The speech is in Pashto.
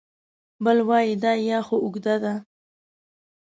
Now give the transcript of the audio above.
بل وای دا یا خو اوږده ده